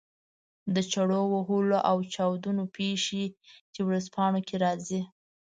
د چړو وهلو او چاودنو پېښې چې ورځپاڼو کې راځي.